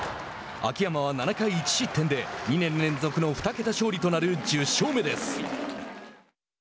秋山は７回１失点で２年連続の２桁勝利となる１０勝目です。